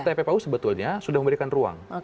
tppu sebetulnya sudah memberikan ruang